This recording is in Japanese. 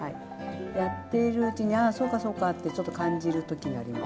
やっているうちにああそうかそうかってちょっと感じる時があります。